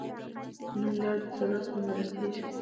د نن درد د سبا کامیابی بلل کېږي.